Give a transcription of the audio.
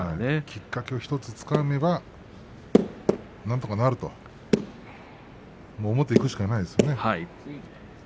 きっかけさえつかめばなんとかなると思っていくしかないと思いますよ正代は。